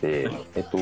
えっと